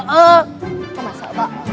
sao mà sợ vợ